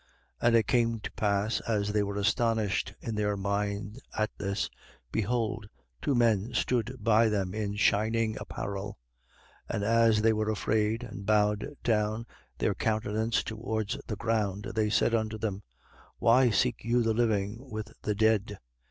24:4. And it came to pass, as they were astonished in their mind at this, behold, two men stood by them, in shining apparel. 24:5. And as they were afraid and bowed down their countenance towards the ground, they said unto them: Why seek you the living with the dead?